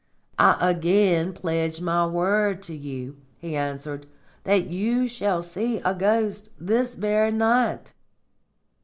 "I again pledge my word to you," he answered, "that you shall see a ghost this very night."